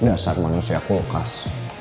dasar manusia kulkas